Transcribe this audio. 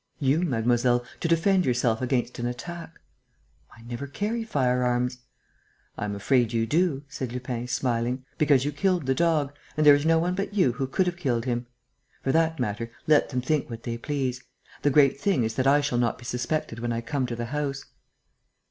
"You, mademoiselle, to defend yourself against an attack." "I never carry firearms." "I am afraid you do," said Lupin, smiling, "because you killed the dog and there is no one but you who could have killed him. For that matter, let them think what they please. The great thing is that I shall not be suspected when I come to the house."